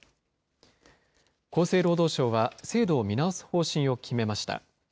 厚生労働省は、制度を見直す方針を決めました。